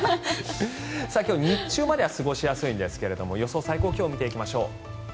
今日は日中までは過ごしやすいんですが予想最高気温見ていきましょう。